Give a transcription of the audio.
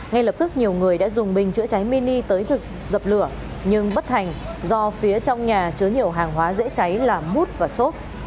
ngay lập tức nhiều người đã dùng bình chữa cháy mini tới dập lửa nhưng bất thành do phía trong nhà chứa nhiều hàng hóa dễ cháy là mút và sốt